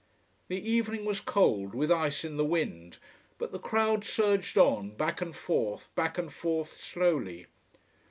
The evening was cold, with ice in the wind. But the crowd surged on, back and forth, back and forth, slowly.